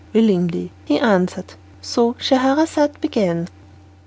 "Willingly," he answered. So Scheherazade began.